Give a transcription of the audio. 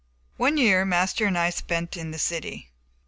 One year Master and I spent in the city.